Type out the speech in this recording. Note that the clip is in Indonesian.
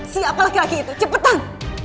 siapa laki laki itu cepetan